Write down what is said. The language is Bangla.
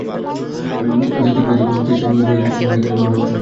এতে তীব্র রোদেও পিএলএস প্রযুক্তির কারণে স্ক্রিন দেখতে কোনো সমস্যা হবে না।